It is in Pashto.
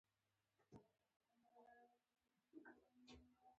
څنګه کولی شم د وږي پر وخت ارام پاتې شم